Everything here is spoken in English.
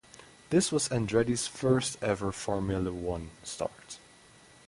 This was Andretti's first ever Formula One start.